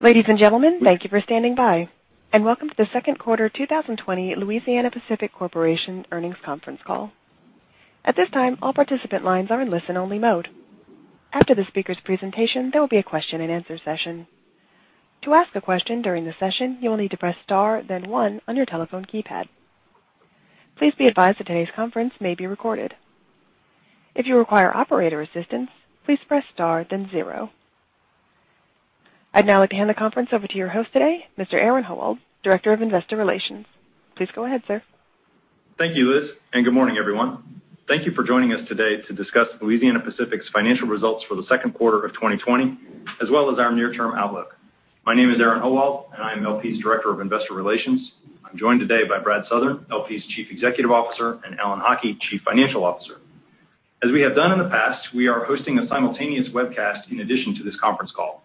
Ladies and gentlemen, thank you for standing by, and welcome to the second quarter 2020 Louisiana-Pacific Corporation earnings conference call. At this time, all participant lines are in listen-only mode. After the speaker's presentation, there will be a question-and-answer session. To ask a question during the session, you will need to press star, then one, on your telephone keypad. Please be advised that today's conference may be recorded. If you require operator assistance, please press star, then zero. I'd now like to hand the conference over to your host today, Mr. Aaron Howald, Director of Investor Relations. Please go ahead, sir. Thank you, Liz, and good morning, everyone. Thank you for joining us today to discuss Louisiana-Pacific's financial results for the second quarter of 2020, as well as our near-term outlook. My name is Aaron Howald, and I am LP's Director of Investor Relations. I'm joined today by Brad Southern, LP's Chief Executive Officer, and Alan Haughie, Chief Financial Officer. As we have done in the past, we are hosting a simultaneous webcast in addition to this conference call.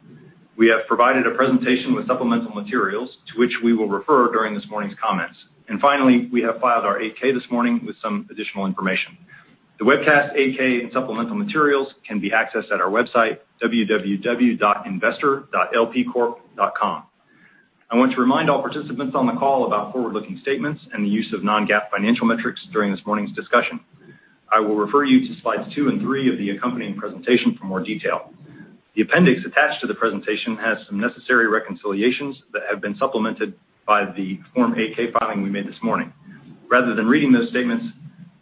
We have provided a presentation with supplemental materials to which we will refer during this morning's comments. And finally, we have filed our 8-K this morning with some additional information. The webcast, 8-K, and supplemental materials can be accessed at our website, www.investor.lpcorp.com. I want to remind all participants on the call about forward-looking statements and the use of non-GAAP financial metrics during this morning's discussion. I will refer you to slides two and three of the accompanying presentation for more detail. The appendix attached to the presentation has some necessary reconciliations that have been supplemented by the Form 8-K filing we made this morning. Rather than reading those statements,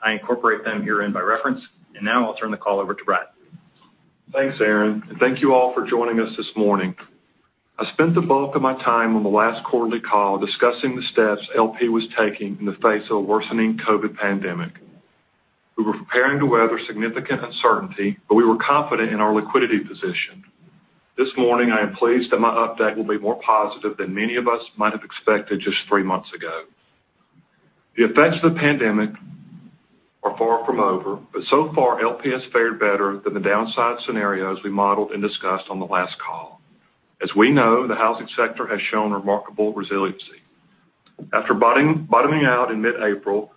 I incorporate them herein by reference, and now I'll turn the call over to Brad. Thanks, Aaron, and thank you all for joining us this morning. I spent the bulk of my time on the last quarterly call discussing the steps LP was taking in the face of a worsening COVID pandemic. We were preparing to weather significant uncertainty, but we were confident in our liquidity position. This morning, I am pleased that my update will be more positive than many of us might have expected just three months ago. The effects of the pandemic are far from over, but so far, LP has fared better than the downside scenarios we modeled and discussed on the last call. As we know, the housing sector has shown remarkable resiliency. After bottoming out in mid-April,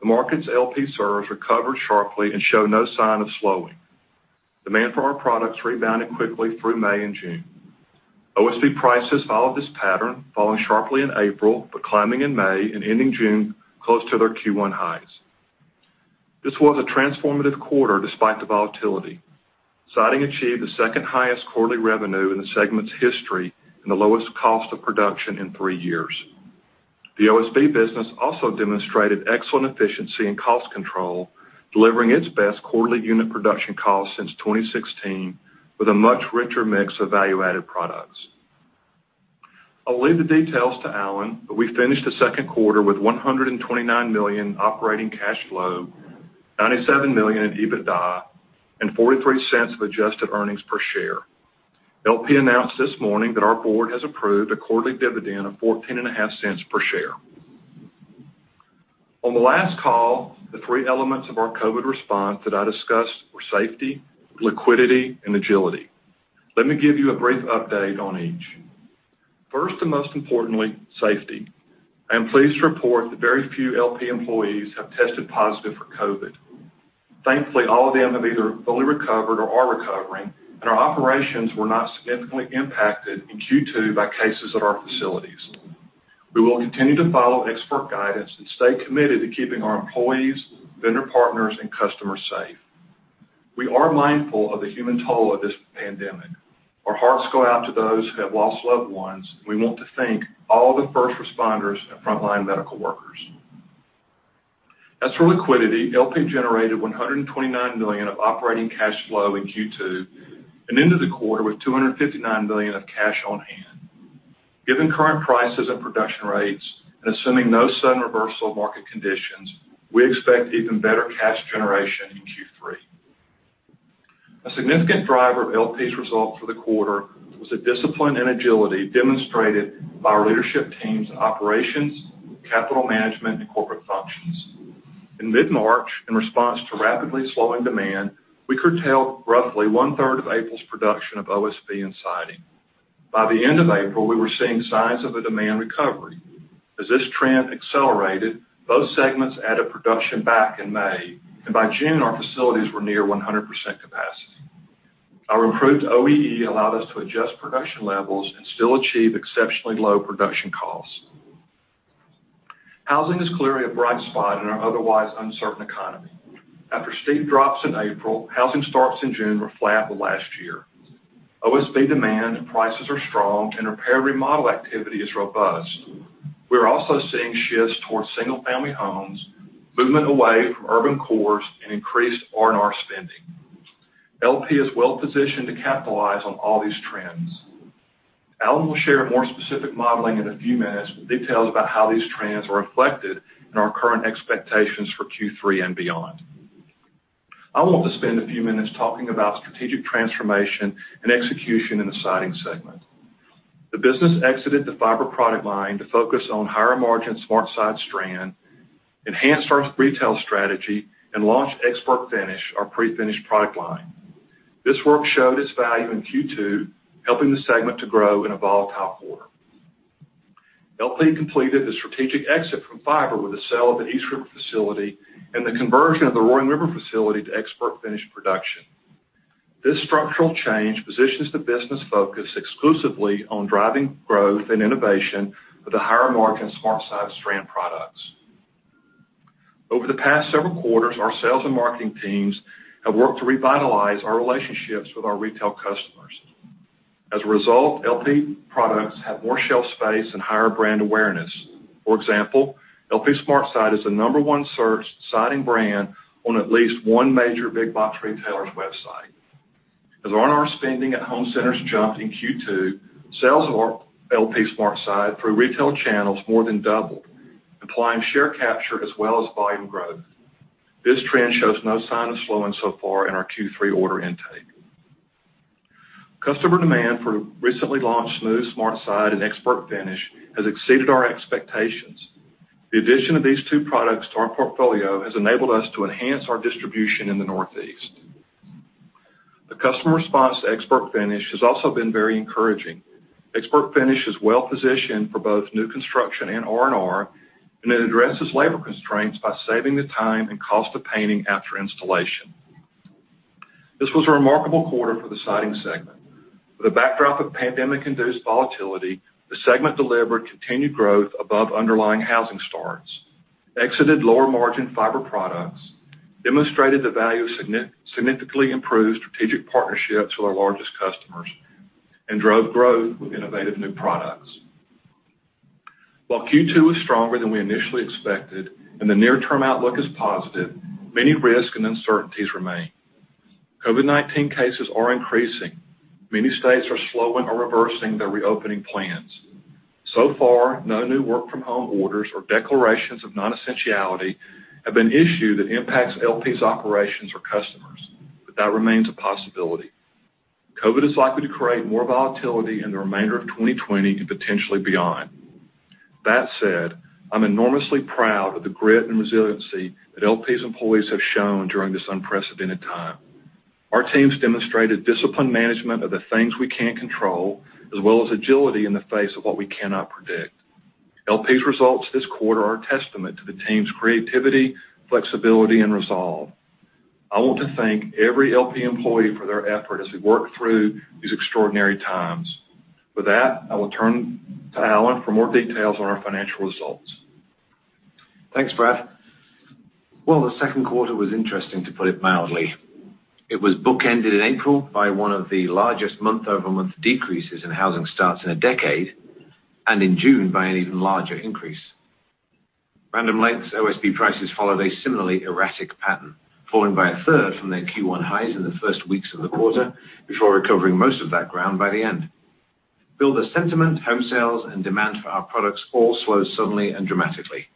the markets LP serves recovered sharply and showed no sign of slowing. Demand for our products rebounded quickly through May and June. OSB prices followed this pattern, falling sharply in April but climbing in May and ending June close to their Q1 highs. This was a transformative quarter despite the volatility. Siding achieved the second highest quarterly revenue in the segment's history and the lowest cost of production in three years. The OSB business also demonstrated excellent efficiency and cost control, delivering its best quarterly unit production costs since 2016 with a much richer mix of value-added products. I'll leave the details to Alan, but we finished the second quarter with $129 million operating cash flow, $97 million in EBITDA, and $0.43 of adjusted earnings per share. LP announced this morning that our board has approved a quarterly dividend of $0.145 per share. On the last call, the three elements of our COVID response that I discussed were safety, liquidity, and agility. Let me give you a brief update on each. First and most importantly, safety. I am pleased to report that very few LP employees have tested positive for COVID. Thankfully, all of them have either fully recovered or are recovering, and our operations were not significantly impacted in Q2 by cases at our facilities. We will continue to follow expert guidance and stay committed to keeping our employees, vendor partners, and customers safe. We are mindful of the human toll of this pandemic. Our hearts go out to those who have lost loved ones, and we want to thank all the first responders and frontline medical workers. As for liquidity, LP generated $129 million of operating cash flow in Q2 and ended the quarter with $259 million of cash on hand. Given current prices and production rates, and assuming no sudden reversal of market conditions, we expect even better cash generation in Q3. A significant driver of LP's results for the quarter was the discipline and agility demonstrated by our leadership teams in operations, capital management, and corporate functions. In mid-March, in response to rapidly slowing demand, we curtailed roughly one-third of April's production of OSB and siding. By the end of April, we were seeing signs of a demand recovery. As this trend accelerated, both segments added production back in May, and by June, our facilities were near 100% capacity. Our improved OEE allowed us to adjust production levels and still achieve exceptionally low production costs. Housing is clearly a bright spot in our otherwise uncertain economy. After steep drops in April, housing starts in June were flat to last year. OSB demand and prices are strong, and repair and remodel activity is robust. We are also seeing shifts towards single-family homes, movement away from urban cores, and increased R&R spending. LP is well positioned to capitalize on all these trends. Alan will share more specific modeling in a few minutes with details about how these trends are reflected in our current expectations for Q3 and beyond. I want to spend a few minutes talking about strategic transformation and execution in the siding segment. The business exited the fiber product line to focus on higher-margin SmartSide strand, enhanced our retail strategy, and launched ExpertFinish, our pre-finished product line. This work showed its value in Q2, helping the segment to grow in a volatile quarter. LP completed the strategic exit from fiber with the sale of the East River facility and the conversion of the Roaring River facility to ExpertFinish production. This structural change positions the business focus exclusively on driving growth and innovation with the higher-margin SmartSide strand products. Over the past several quarters, our sales and marketing teams have worked to revitalize our relationships with our retail customers. As a result, LP products have more shelf space and higher brand awareness. For example, LP SmartSide is the number one searched siding brand on at least one major big-box retailer's website. As R&R spending at home centers jumped in Q2, sales of our LP SmartSide through retail channels more than doubled, implying share capture as well as volume growth. This trend shows no sign of slowing so far in our Q3 order intake. Customer demand for recently launched LP SmartSide Smooth and LP SmartSide ExpertFinish has exceeded our expectations. The addition of these two products to our portfolio has enabled us to enhance our distribution in the Northeast. The customer response to LP SmartSide ExpertFinish has also been very encouraging. LP SmartSide ExpertFinish is well positioned for both new construction and R&R, and it addresses labor constraints by saving the time and cost of painting after installation. This was a remarkable quarter for the siding segment. With the backdrop of pandemic-induced volatility, the segment delivered continued growth above underlying housing starts, exited lower-margin fiber products, demonstrated the value of significantly improved strategic partnerships with our largest customers, and drove growth with innovative new products. While Q2 was stronger than we initially expected and the near-term outlook is positive, many risks and uncertainties remain. COVID-19 cases are increasing. Many states are slowing or reversing their reopening plans. So far, no new work-from-home orders or declarations of non-essentiality have been issued that impacts LP's operations or customers, but that remains a possibility. COVID is likely to create more volatility in the remainder of 2020 and potentially beyond. That said, I'm enormously proud of the grit and resiliency that LP's employees have shown during this unprecedented time. Our teams demonstrated discipline management of the things we can't control, as well as agility in the face of what we cannot predict. LP's results this quarter are a testament to the team's creativity, flexibility, and resolve. I want to thank every LP employee for their effort as we work through these extraordinary times. With that, I will turn to Alan for more details on our financial results. Thanks, Brad. The second quarter was interesting, to put it mildly. It was bookended in April by one of the largest month-over-month decreases in housing starts in a decade, and in June by an even larger increase. Random Lengths OSB prices followed a similarly erratic pattern, falling by a third from their Q1 highs in the first weeks of the quarter before recovering most of that ground by the end. Builder sentiment, home sales, and demand for our products all slowed suddenly and dramatically,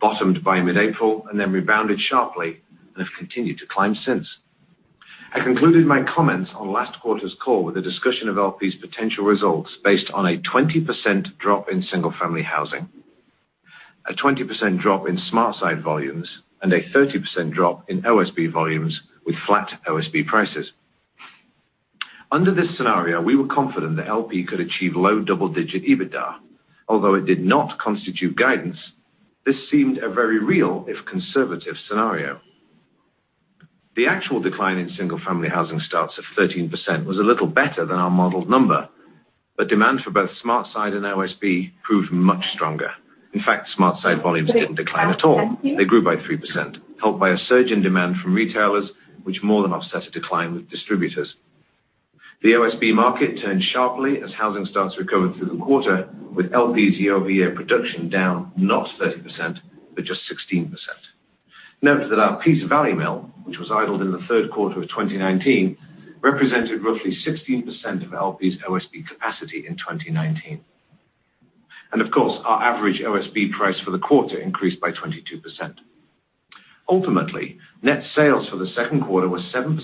bottomed by mid-April and then rebounded sharply and have continued to climb since. I concluded my comments on last quarter's call with a discussion of LP's potential results based on a 20% drop in single-family housing, a 20% drop in SmartSide volumes, and a 30% drop in OSB volumes with flat OSB prices. Under this scenario, we were confident that LP could achieve low double-digit EBITDA, although it did not constitute guidance. This seemed a very real, if conservative, scenario. The actual decline in single-family housing starts of 13% was a little better than our modeled number, but demand for both SmartSide and OSB proved much stronger. In fact, SmartSide volumes didn't decline at all. They grew by 3%, helped by a surge in demand from retailers, which more than offset a decline with distributors. The OSB market turned sharply as housing starts recovered through the quarter, with LP's year-over-year production down not 30%, but just 16%. Note that our Alabama mill, which was idled in the third quarter of 2019, represented roughly 16% of LP's OSB capacity in 2019, and of course, our average OSB price for the quarter increased by 22%. Ultimately, net sales for the second quarter were 7%,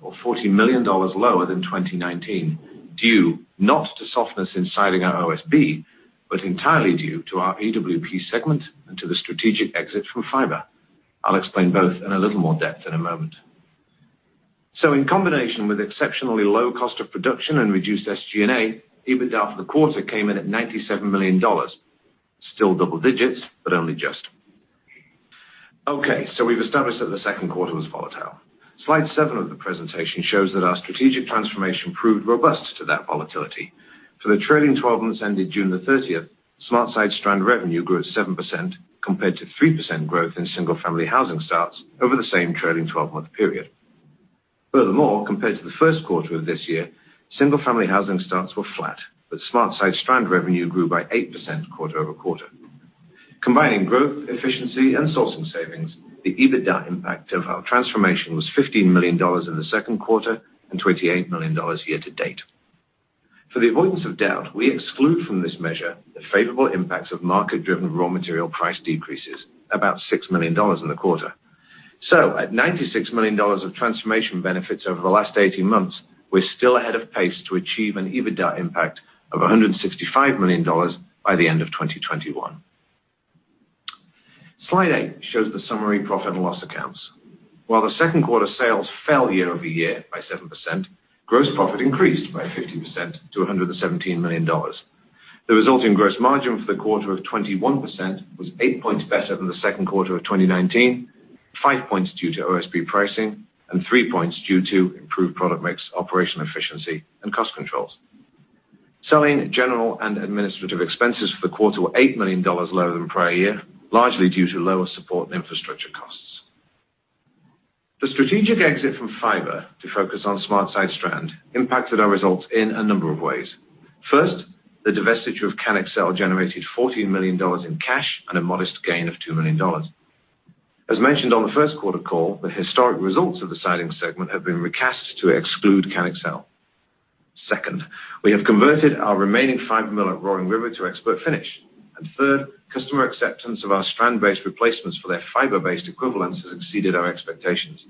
or $40 million lower than 2019, due not to softness in siding, our OSB, but entirely due to our EWP segment and to the strategic exit from fiber. I'll explain both in a little more depth in a moment. So in combination with exceptionally low cost of production and reduced SG&A, EBITDA for the quarter came in at $97 million, still double digits, but only just. Okay, so we've established that the second quarter was volatile. Slide seven of the presentation shows that our strategic transformation proved robust to that volatility. For the trailing 12 months ended June the 30th, SmartSide revenue grew at 7% compared to 3% growth in single-family housing starts over the same trailing 12-month period. Furthermore, compared to the first quarter of this year, single-family housing starts were flat, but SmartSide siding revenue grew by 8% quarter over quarter. Combining growth, efficiency, and sourcing savings, the EBITDA impact of our transformation was $15 million in the second quarter and $28 million year-to-date. For the avoidance of doubt, we exclude from this measure the favorable impacts of market-driven raw material price decreases, about $6 million in the quarter. So at $96 million of transformation benefits over the last 18 months, we're still ahead of pace to achieve an EBITDA impact of $165 million by the end of 2021. Slide eight shows the summary profit and loss accounts. While the second quarter sales fell year-over-year by 7%, gross profit increased by 50% to $117 million. The resulting gross margin for the quarter of 21% was eight points better than the second quarter of 2019, five points due to OSB pricing, and three points due to improved product mix, operational efficiency, and cost controls. Selling general and administrative expenses for the quarter were $8 million lower than prior year, largely due to lower support and infrastructure costs. The strategic exit from fiber to focus on SmartSide strand impacted our results in a number of ways. First, the divestiture of CanExel generated $14 million in cash and a modest gain of $2 million. As mentioned on the first quarter call, the historic results of the siding segment have been recast to exclude CanExel. Second, we have converted our remaining fiber mill at Roaring River to ExpertFinish. And third, customer acceptance of our strand-based replacements for their fiber-based equivalents has exceeded our expectations.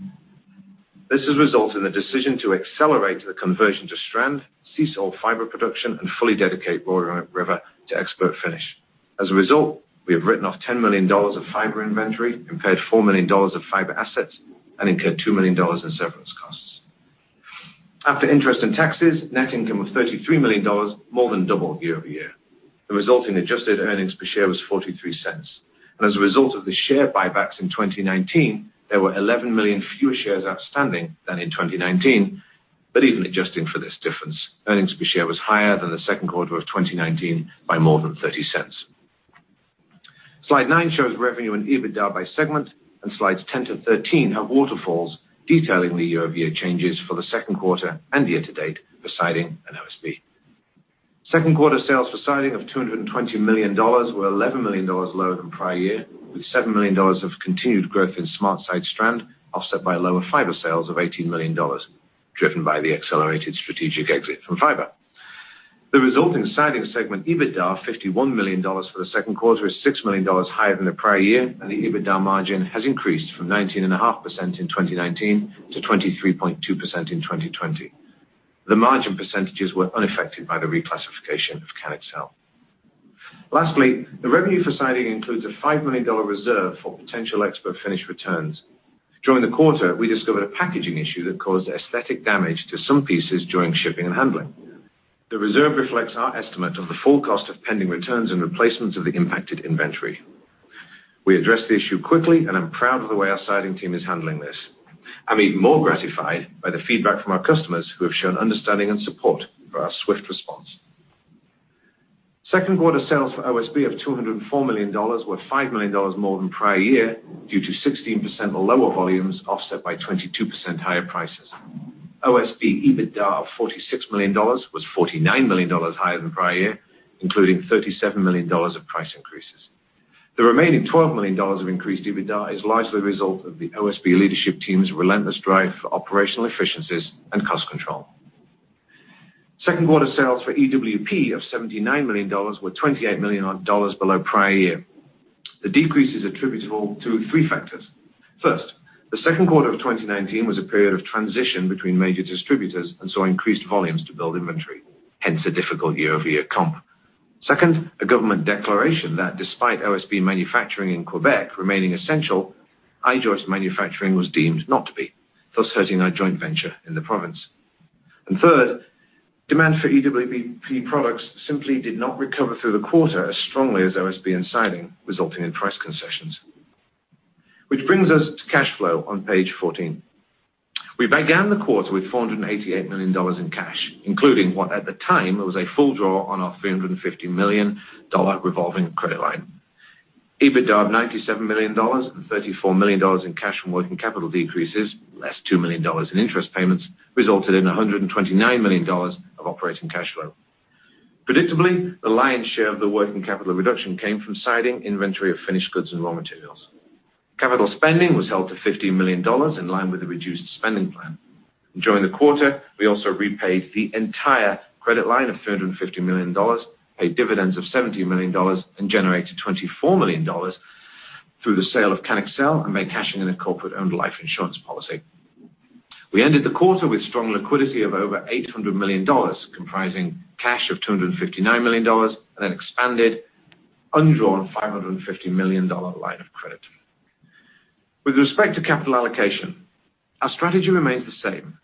This has resulted in the decision to accelerate the conversion to strand, cease all fiber production, and fully dedicate Roaring River to ExpertFinish. As a result, we have written off $10 million of fiber inventory, impaired $4 million of fiber assets, and incurred $2 million in severance costs. After interest and taxes, net income of $33 million more than doubled year-over-year. The resulting adjusted earnings per share was $0.43. As a result of the share buybacks in 2019, there were 11 million fewer shares outstanding than in 2019, but even adjusting for this difference, earnings per share was higher than the second quarter of 2019 by more than $0.30. Slide nine shows revenue and EBITDA by segment, and slides 10 to 13 have waterfalls detailing the year-over-year changes for the second quarter and year-to-date for siding and OSB. Second quarter sales for siding of $220 million were $11 million lower than prior year, with $7 million of continued growth in SmartSide strand offset by lower fiber sales of $18 million, driven by the accelerated strategic exit from fiber. The resulting siding segment EBITDA of $51 million for the second quarter is $6 million higher than the prior year, and the EBITDA margin has increased from 19.5% in 2019 to 23.2% in 2020. The margin percentages were unaffected by the reclassification of CanExel. Lastly, the revenue for siding includes a $5 million reserve for potential ExpertFinish returns. During the quarter, we discovered a packaging issue that caused aesthetic damage to some pieces during shipping and handling. The reserve reflects our estimate of the full cost of pending returns and replacements of the impacted inventory. We addressed the issue quickly, and I'm proud of the way our siding team is handling this. I'm even more gratified by the feedback from our customers who have shown understanding and support for our swift response. Second quarter sales for OSB of $204 million were $5 million more than prior year due to 16% lower volumes offset by 22% higher prices. OSB EBITDA of $46 million was $49 million higher than prior year, including $37 million of price increases. The remaining $12 million of increased EBITDA is largely a result of the OSB leadership team's relentless drive for operational efficiencies and cost control. Second quarter sales for EWP of $79 million were $28 million below prior year. The decrease is attributable to three factors. First, the second quarter of 2019 was a period of transition between major distributors and saw increased volumes to build inventory, hence a difficult year-over-year comp. Second, a government declaration that despite OSB manufacturing in Quebec remaining essential, our manufacturing was deemed not to be, thus hurting our joint venture in the province. And third, demand for EWP products simply did not recover through the quarter as strongly as OSB and siding, resulting in price concessions. Which brings us to cash flow on page 14. We began the quarter with $488 million in cash, including what at the time was a full draw on our $350 million revolving credit line. EBITDA of $97 million and $34 million in cash from working capital decreases, less $2 million in interest payments, resulted in $129 million of operating cash flow. Predictably, the lion's share of the working capital reduction came from siding, inventory of finished goods, and raw materials. Capital spending was held to $15 million in line with the reduced spending plan. During the quarter, we also repaid the entire credit line of $350 million, paid dividends of $70 million, and generated $24 million through the sale of CanExel and by cashing in a corporate-owned life insurance policy. We ended the quarter with strong liquidity of over $800 million, comprising cash of $259 million, and an expanded, undrawn $550 million line of credit. With respect to capital allocation, our strategy remains the same.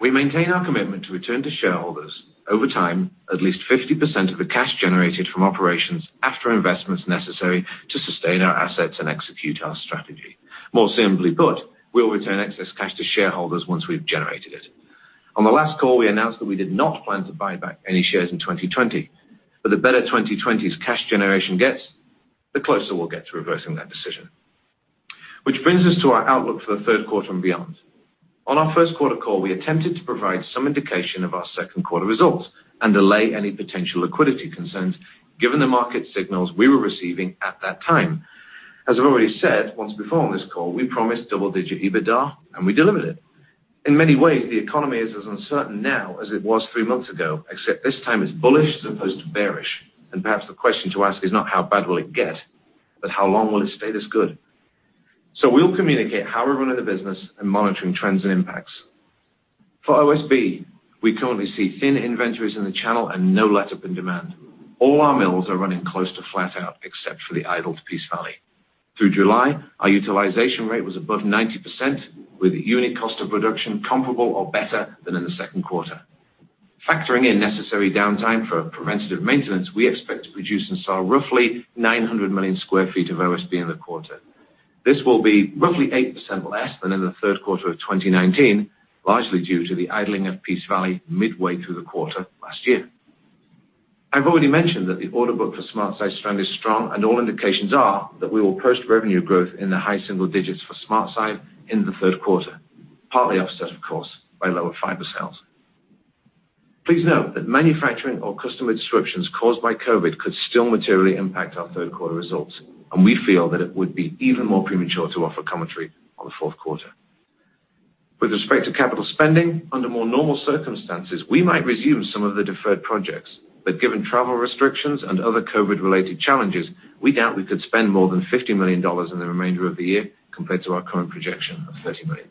We maintain our commitment to return to shareholders over time at least 50% of the cash generated from operations after investments necessary to sustain our assets and execute our strategy. More simply put, we'll return excess cash to shareholders once we've generated it. On the last call, we announced that we did not plan to buy back any shares in 2020, but the better 2020's cash generation gets, the closer we'll get to reversing that decision. Which brings us to our outlook for the third quarter and beyond. On our first quarter call, we attempted to provide some indication of our second quarter results and delay any potential liquidity concerns given the market signals we were receiving at that time. As I've already said once before on this call, we promised double-digit EBITDA, and we delivered it. In many ways, the economy is as uncertain now as it was three months ago, except this time it's bullish as opposed to bearish, and perhaps the question to ask is not how bad will it get, but how long will it stay this good? We'll communicate how we're running the business and monitoring trends and impacts. For OSB, we currently see thin inventories in the channel and no let-up in demand. All our mills are running close to flat out except for the idled Peace Valley. Through July, our utilization rate was above 90%, with unit cost of production comparable or better than in the second quarter. Factoring in necessary downtime for preventative maintenance, we expect to produce and sell roughly 900 million sq ft of OSB in the quarter. This will be roughly 8% less than in the third quarter of 2019, largely due to the idling of Peace Valley midway through the quarter last year. I've already mentioned that the order book for SmartSide strand is strong, and all indications are that we will post revenue growth in the high single digits for SmartSide in the third quarter, partly offset, of course, by lower fiber sales. Please note that manufacturing or customer disruptions caused by COVID could still materially impact our third quarter results, and we feel that it would be even more premature to offer commentary on the fourth quarter. With respect to capital spending, under more normal circumstances, we might resume some of the deferred projects, but given travel restrictions and other COVID-related challenges, we doubt we could spend more than $50 million in the remainder of the year compared to our current projection of $30 million.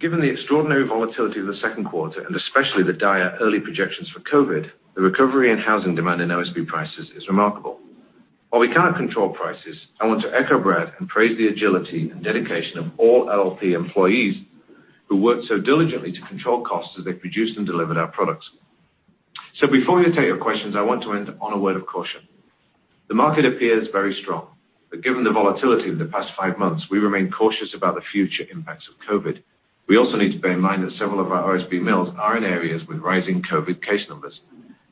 Given the extraordinary volatility of the second quarter, and especially the dire early projections for COVID, the recovery in housing demand and OSB prices is remarkable. While we can't control prices, I want to echo Brad and praise the agility and dedication of all LP employees who worked so diligently to control costs as they produced and delivered our products. So before you take your questions, I want to end on a word of caution. The market appears very strong, but given the volatility of the past five months, we remain cautious about the future impacts of COVID. We also need to bear in mind that several of our OSB mills are in areas with rising COVID case numbers.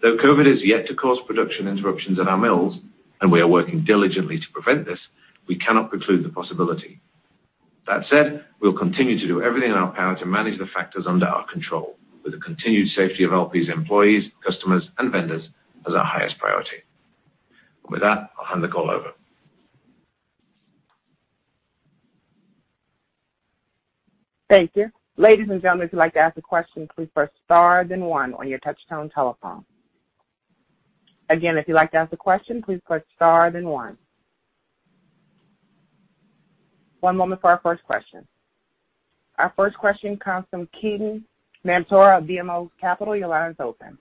Though COVID has yet to cause production interruptions at our mills, and we are working diligently to prevent this, we cannot preclude the possibility. That said, we'll continue to do everything in our power to manage the factors under our control, with the continued safety of LP's employees, customers, and vendors as our highest priority, and with that, I'll hand the call over. Thank you. Ladies and gentlemen, if you'd like to ask a question, please press star then one on your touch-tone telephone. Again, if you'd like to ask a question, please press star then one. One moment for our first question. Our first question comes from Ketan Mamtora, BMO Capital. Your line is open.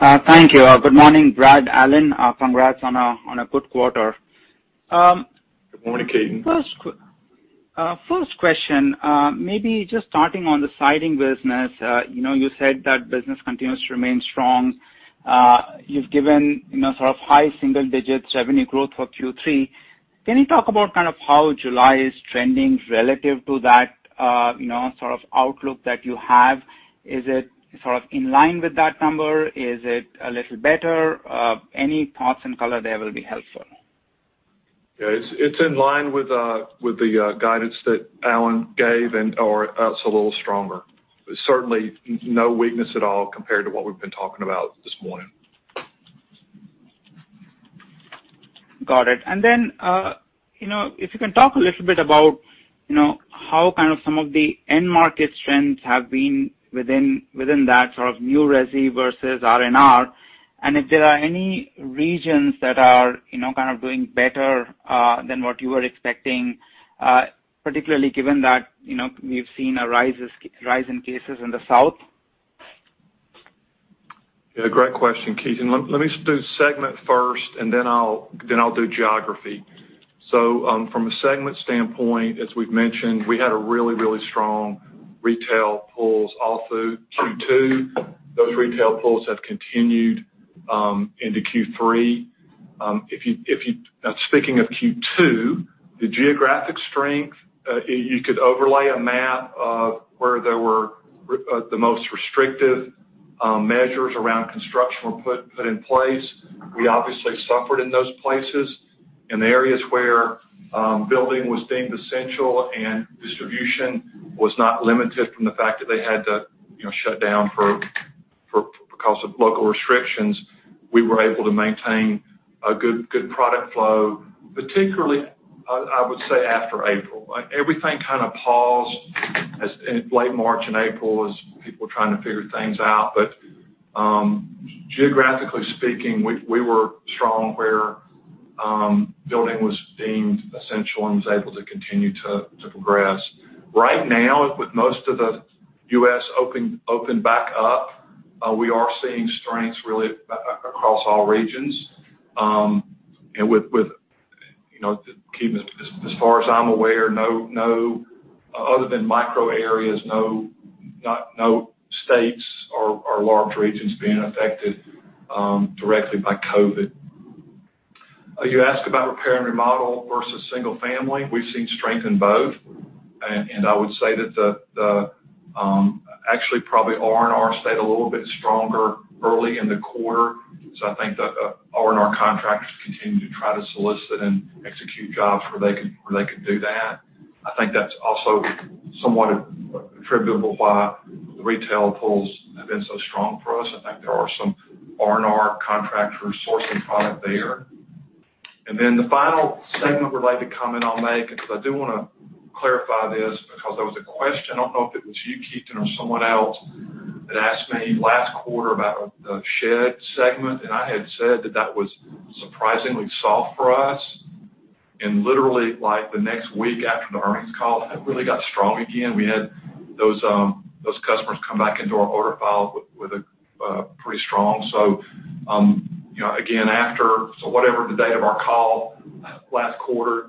Thank you. Good morning, Brad, Alan. Congrats on a good quarter. Good morning, Ketan. First question, maybe just starting on the siding business, you said that business continues to remain strong. You've given sort of high single-digit revenue growth for Q3. Can you talk about kind of how July is trending relative to that sort of outlook that you have? Is it sort of in line with that number? Is it a little better? Any thoughts and color there will be helpful. Yeah, it's in line with the guidance that Alan gave, and ours are a little stronger. Certainly, no weakness at all compared to what we've been talking about this morning. Got it. And then if you can talk a little bit about how kind of some of the end market strengths have been within that sort of new resi versus R&R, and if there are any regions that are kind of doing better than what you were expecting, particularly given that we've seen a rise in cases in the south? Yeah, great question, Ketan. Let me do segment first, and then I'll do geography. So from a segment standpoint, as we've mentioned, we had a really, really strong retail pulls all through Q2. Those retail pulls have continued into Q3. Speaking of Q2, the geographic strength, you could overlay a map of where there were the most restrictive measures around construction were put in place. We obviously suffered in those places. In the areas where building was deemed essential and distribution was not limited from the fact that they had to shut down because of local restrictions, we were able to maintain a good product flow, particularly, I would say, after April. Everything kind of paused late March and April as people were trying to figure things out, but geographically speaking, we were strong where building was deemed essential and was able to continue to progress. Right now, with most of the U.S. opened back up, we are seeing strengths really across all regions and with Ketan, as far as I'm aware, other than micro areas, no states or large regions being affected directly by COVID. You asked about repair and remodel versus single family. We've seen strength in both, and I would say that actually probably R&R stayed a little bit stronger early in the quarter, so I think the R&R contractors continue to try to solicit and execute jobs where they can do that. I think that's also somewhat attributable to why the retail pulls have been so strong for us. I think there are some R&R contractors sourcing product there. And then the final segment-related comment I'll make, because I do want to clarify this, because there was a question, I don't know if it was you, Ketan, or someone else, that asked me last quarter about the shed segment, and I had said that that was surprisingly soft for us. And literally, like the next week after the earnings call, it really got strong again. We had those customers come back into our order file with a pretty strong. So again, after whatever the date of our call last quarter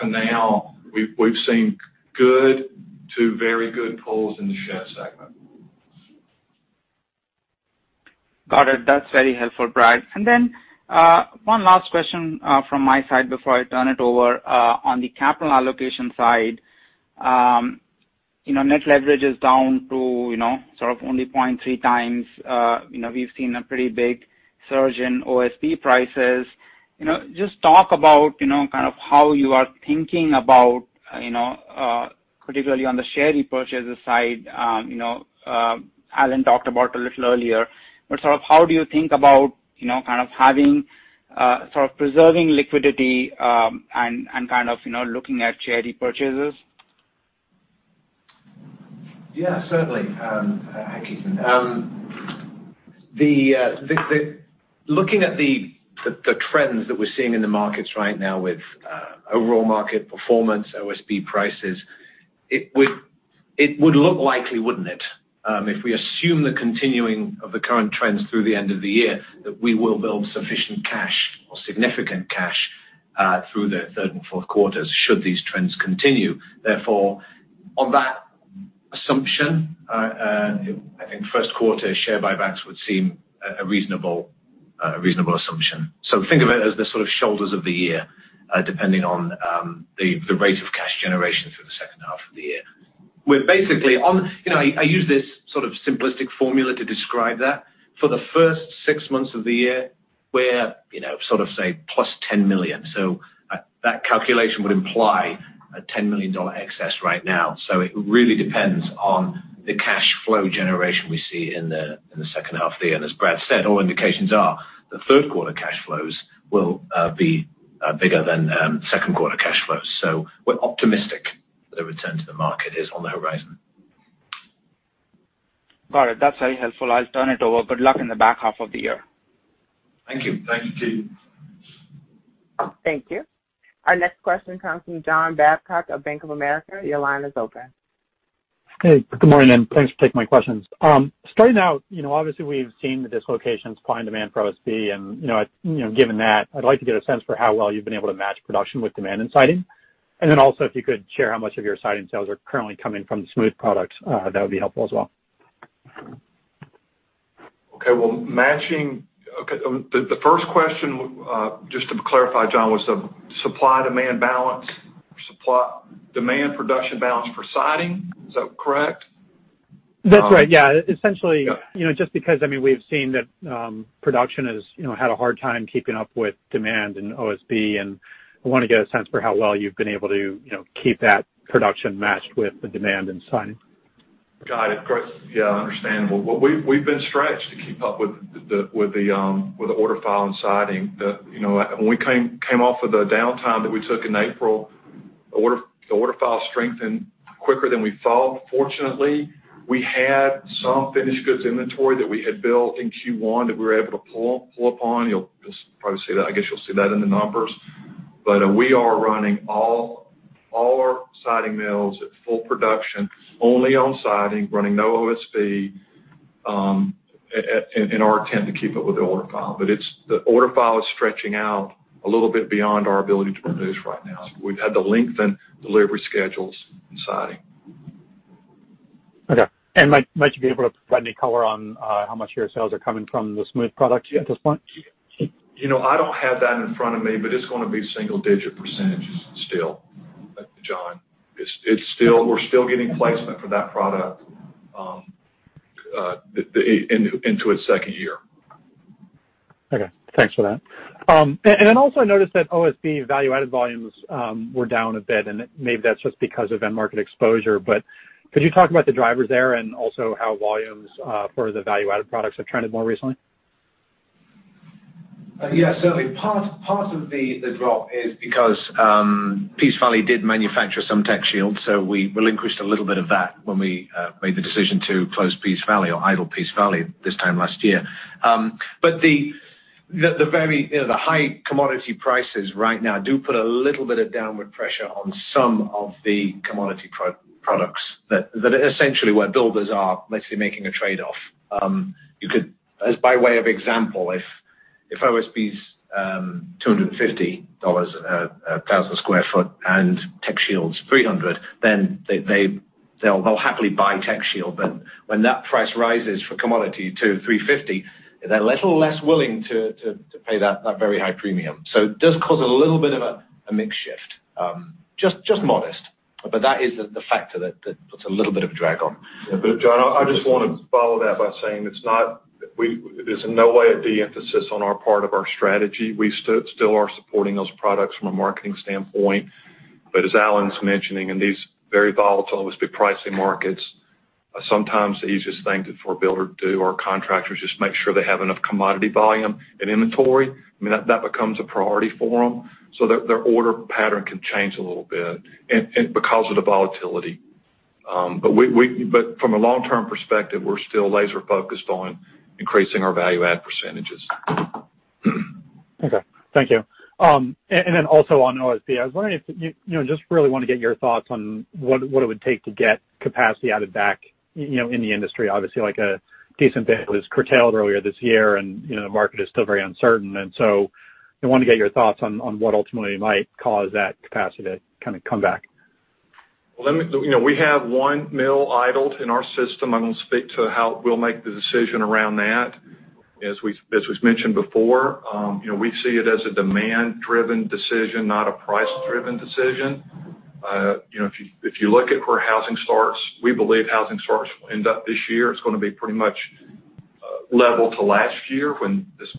to now, we've seen good to very good pulls in the shed segment. Got it. That's very helpful, Brad. And then one last question from my side before I turn it over. On the capital allocation side, net leverage is down to sort of only 0.3 times. We've seen a pretty big surge in OSB prices. Just talk about kind of how you are thinking about, particularly on the share repurchases side. Alan talked about a little earlier, but sort of how do you think about kind of having sort of preserving liquidity and kind of looking at share repurchases? Yeah, certainly. Hi, Ketan. Looking at the trends that we're seeing in the markets right now with overall market performance, OSB prices, it would look likely, wouldn't it, if we assume the continuing of the current trends through the end of the year that we will build sufficient cash or significant cash through the third and fourth quarters should these trends continue? Therefore, on that assumption, I think first quarter share buybacks would seem a reasonable assumption. So think of it as the sort of shoulders of the year, depending on the rate of cash generation through the second half of the year. Basically, I use this sort of simplistic formula to describe that. For the first six months of the year, we're sort of, say, +$10 million. So that calculation would imply a $10 million excess right now. It really depends on the cash flow generation we see in the second half of the year. As Brad said, all indications are that third quarter cash flows will be bigger than second quarter cash flows. We're optimistic that the return to the market is on the horizon. Got it. That's very helpful. I'll turn it over. Good luck in the back half of the year. Thank you. Thank you, Ketan. Thank you. Our next question comes from John Babcock of Bank of America. Your line is open. Hey, good morning, and thanks for taking my questions. Starting out, obviously, we've seen the dislocations, supply and demand for OSB, and given that, I'd like to get a sense for how well you've been able to match production with demand and siding, and then also, if you could share how much of your siding sales are currently coming from smooth products, that would be helpful as well. Okay. Well, matching the first question, just to clarify, John, was the supply-demand balance, supply-demand production balance for siding? Is that correct? That's right. Yeah. Essentially, just because, I mean, we've seen that production has had a hard time keeping up with demand and OSB, and I want to get a sense for how well you've been able to keep that production matched with the demand and siding. Got it. Of course. Yeah, understandable. We've been stretched to keep up with the order file and siding. When we came off of the downtime that we took in April, the order file strengthened quicker than we thought. Fortunately, we had some finished goods inventory that we had built in Q1 that we were able to pull upon. You'll probably see that. I guess you'll see that in the numbers. But we are running all our siding mills at full production, only on siding, running no OSB in our attempt to keep up with the order file. But the order file is stretching out a little bit beyond our ability to produce right now. We've had to lengthen delivery schedules and siding. Okay. And might you be able to provide any color on how much your sales are coming from the smooth product at this point? I don't have that in front of me, but it's going to be single-digit % still, John. We're still getting placement for that product into its second year. Okay. Thanks for that. And then also, I noticed that OSB value-added volumes were down a bit, and maybe that's just because of end market exposure. But could you talk about the drivers there and also how volumes for the value-added products have trended more recently? Yeah. Certainly, part of the drop is because Peace Valley did manufacture some TechShields, so we relinquished a little bit of that when we made the decision to close Peace Valley or idle Peace Valley this time last year. But the very high commodity prices right now do put a little bit of downward pressure on some of the commodity products that essentially where builders are basically making a trade-off. As by way of example, if OSB's $250 a thousand sq ft and TechShield's 300, then they'll happily buy TechShield. But when that price rises for commodity to 350, they're a little less willing to pay that very high premium. So it does cause a little bit of a mixed shift, just modest. But that is the factor that puts a little bit of a drag on. Yeah. But John, I just want to follow that by saying there's no way to de-emphasize on our part of our strategy. We still are supporting those products from a marketing standpoint. But as Alan's mentioning, in these very volatile OSB pricing markets, sometimes the easiest thing for a builder to do or a contractor is just make sure they have enough commodity volume and inventory. I mean, that becomes a priority for them. So their order pattern can change a little bit because of the volatility. But from a long-term perspective, we're still laser-focused on increasing our value-add percentages. Okay. Thank you and then also on OSB, I was wondering if you just really want to get your thoughts on what it would take to get capacity added back in the industry. Obviously, a decent bit was curtailed earlier this year, and the market is still very uncertain, and so I want to get your thoughts on what ultimately might cause that capacity to kind of come back. We have one mill idled in our system. I'm going to speak to how we'll make the decision around that. As we've mentioned before, we see it as a demand-driven decision, not a price-driven decision. If you look at where housing starts, we believe housing starts will end up this year. It's going to be pretty much level to last year when this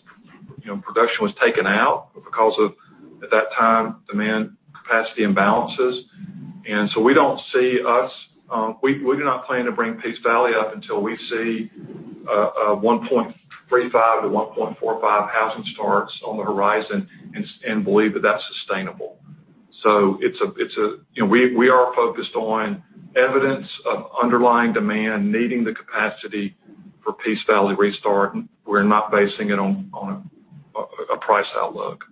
production was taken out because of, at that time, demand capacity imbalances. We do not plan to bring Peace Valley up until we see 1.35-1.45 housing starts on the horizon and believe that that's sustainable. We are focused on evidence of underlying demand needing the capacity for Peace Valley restart. We're not basing it on a price outlook.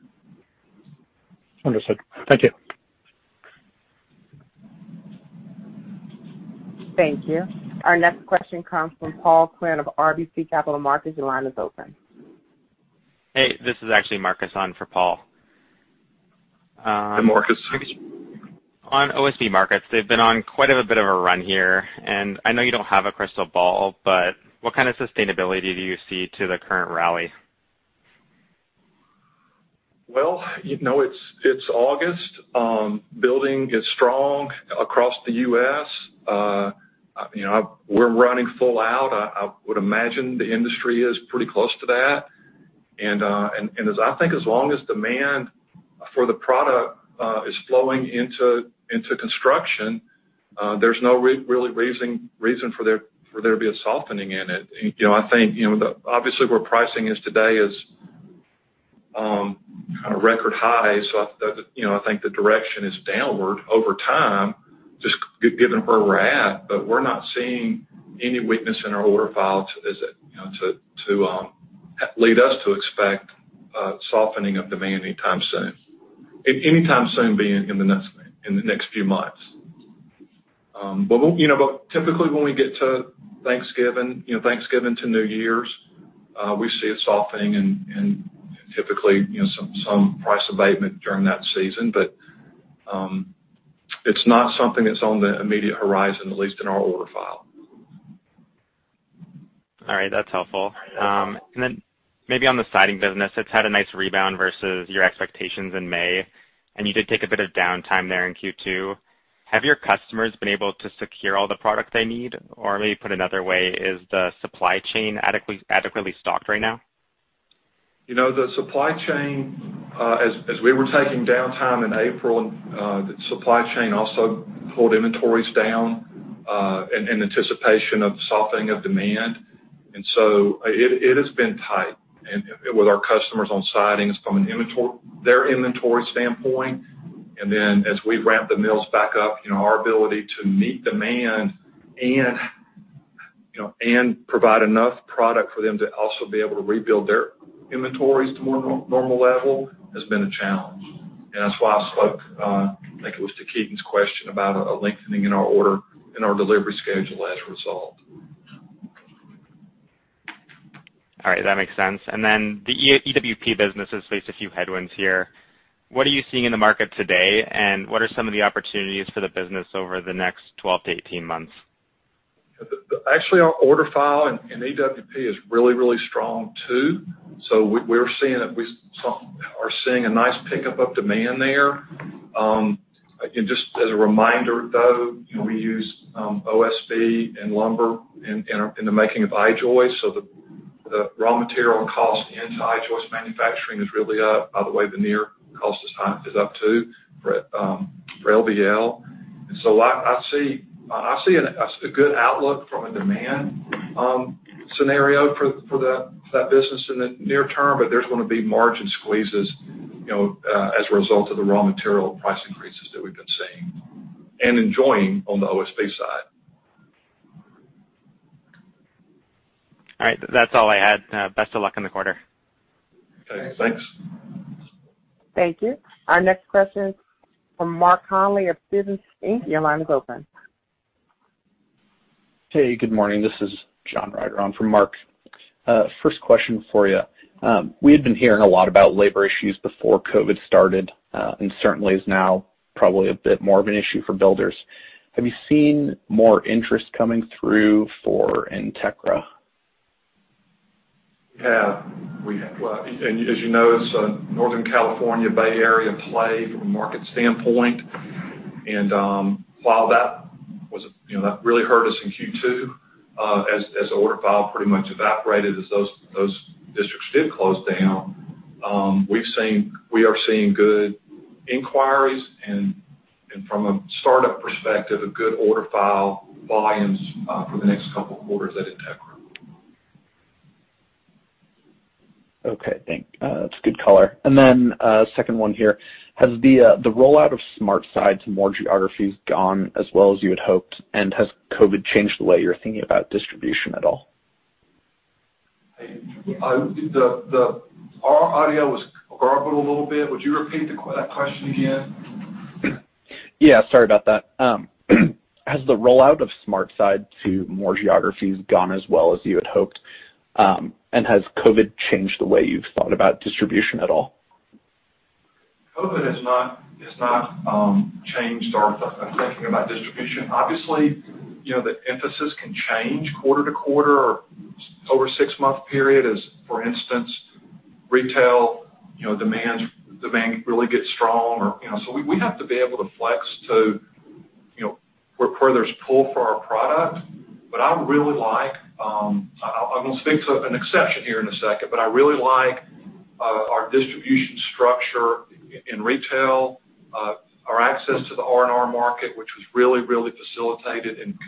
Understood. Thank you. Thank you. Our next question comes from Paul Quinn of RBC Capital Markets. Your line is open. Hey, this is actually Marcus on for Paul. Hey, Marcus. On OSB markets, they've been on quite a bit of a run here. I know you don't have a crystal ball, but what kind of sustainability do you see to the current rally? It's August. Building is strong across the U.S. We're running full out. I would imagine the industry is pretty close to that. And I think as long as demand for the product is flowing into construction, there's no real reason for there to be a softening in it. I think, obviously, where pricing is today is kind of record high. So I think the direction is downward over time, just given where we're at. But we're not seeing any weakness in our order files to lead us to expect softening of demand anytime soon. Anytime soon being in the next few months. But typically, when we get to Thanksgiving, Thanksgiving to New Year's, we see a softening and typically some price abatement during that season. But it's not something that's on the immediate horizon, at least in our order file. All right. That's helpful. And then maybe on the siding business, it's had a nice rebound versus your expectations in May, and you did take a bit of downtime there in Q2. Have your customers been able to secure all the product they need? Or maybe put another way, is the supply chain adequately stocked right now? The supply chain, as we were taking downtime in April, the supply chain also pulled inventories down in anticipation of softening of demand. So it has been tight with our customers on sidings from their inventory standpoint. Then as we ramp the mills back up, our ability to meet demand and provide enough product for them to also be able to rebuild their inventories to a more normal level has been a challenge. That's why I spoke like it was to Ketan's question about a lengthening in our order and our delivery schedule as a result. All right. That makes sense. And then the EWP business has faced a few headwinds here. What are you seeing in the market today, and what are some of the opportunities for the business over the next 12-18 months? Actually, our order file and EWP is really, really strong too. So we are seeing a nice pickup of demand there. Just as a reminder, though, we use OSB and lumber in the making of I-Joists. So the raw material cost into I-Joists manufacturing is really up. By the way, the LVL cost is up too for LVL. And so I see a good outlook from a demand scenario for that business in the near term, but there's going to be margin squeezes as a result of the raw material price increases that we've been seeing and enjoying on the OSB side. All right. That's all I had. Best of luck in the quarter. Okay. Thanks. Thank you. Our next question is from Mark Connelly of Stephens Inc. Your line is open. Hey, good morning. This is John Ryder on for Mark. First question for you. We had been hearing a lot about labor issues before COVID started and certainly is now probably a bit more of an issue for builders. Have you seen more interest coming through for Entekra? Yeah. Well, as you know, it's a Northern California Bay Area play from a market standpoint. And while that really hurt us in Q2 as the order file pretty much evaporated as those districts did close down, we are seeing good inquiries and, from a startup perspective, a good order file volumes for the next couple of quarters at Entekra. Okay. Thanks. That's good color. And then second one here. Has the rollout of SmartSide in more geographies gone as well as you had hoped, and has COVID changed the way you're thinking about distribution at all? Our audio was garbled a little bit. Would you repeat that question again? Yeah. Sorry about that. Has the rollout of SmartSide to more geographies gone as well as you had hoped, and has COVID changed the way you've thought about distribution at all? COVID has not changed our thinking about distribution. Obviously, the emphasis can change quarter to quarter or over a six-month period. For instance, retail demand really gets strong. So we have to be able to flex to where there's pull for our product. But I really like - I'm going to speak to an exception here in a second - but I really like our distribution structure in retail, our access to the R&R market, which was really, really facilitated and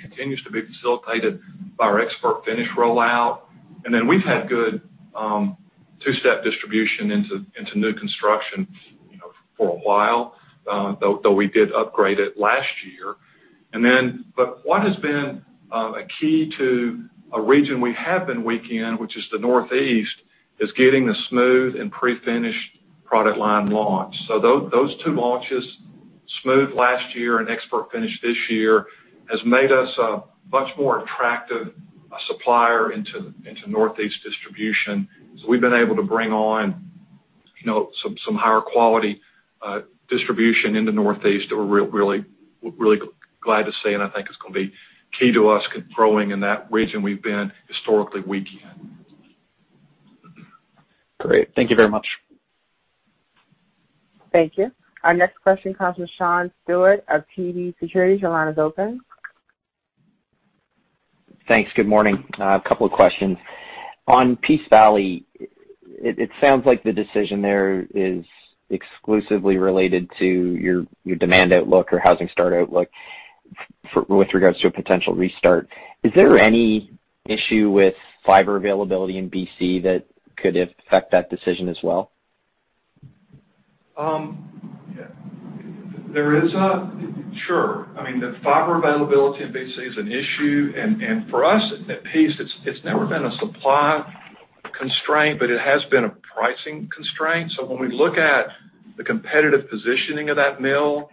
continues to be facilitated by our ExpertFinish rollout. And then we've had good two-step distribution into new construction for a while, though we did upgrade it last year. But what has been a key to a region we have been weak in, which is the Northeast, is getting the smooth and pre-finished product line launch. So those two launches, Smooth last year and ExpertFinish this year, has made us a much more attractive supplier into Northeast distribution. So we've been able to bring on some higher quality distribution into Northeast. We're really glad to see, and I think it's going to be key to us growing in that region we've been historically weak in. Great. Thank you very much. Thank you. Our next question comes from Sean Stewart of TD Securities. Your line is open. Thanks. Good morning. A couple of questions. On Peace Valley, it sounds like the decision there is exclusively related to your demand outlook or housing start outlook with regards to a potential restart. Is there any issue with fiber availability in BC that could affect that decision as well? Sure. I mean, the fiber availability in BC is an issue. And for us at Peace, it's never been a supply constraint, but it has been a pricing constraint. So when we look at the competitive positioning of that mill,